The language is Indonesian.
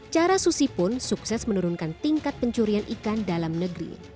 cara susi pun sukses menurunkan tingkat pencurian ikan dalam negeri